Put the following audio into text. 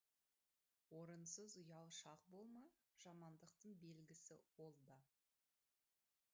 Орынсыз ұялшақ болма, жамандықтың белгісі ол да.